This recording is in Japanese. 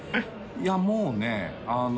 いやもうねあの。